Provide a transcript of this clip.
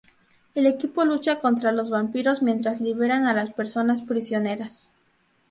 El equipo lucha contra los vampiros mientras liberan a las personas prisioneras.